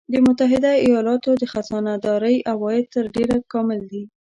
د متحده ایالاتو د خزانه داری عواید تر ډېره کامل دي